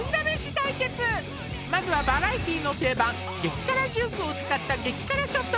対決まずはバラエティの定番激辛ジュースを使った激辛ショット